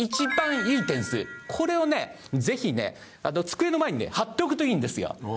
ぜひね机の前に貼っておくといいんですよ。